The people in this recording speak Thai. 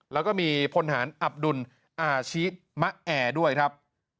แล้วก็มีพลฐานอับดุลอาชิมะแอร์ด้วยครับ